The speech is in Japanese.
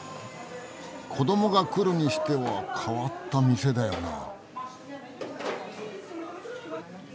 子どもが来るにしては変わった店だよなあ。